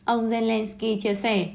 ông zelenskyy chia sẻ